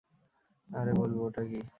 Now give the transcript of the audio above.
আরে, বলবোটা কী?